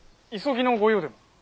急ぎのご用でも？